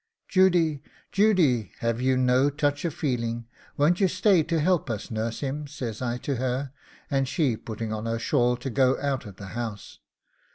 'Judy! Judy! have you no touch of feeling? Won't you stay to help us nurse him?' says I to her, and she putting on her shawl to go out of the house.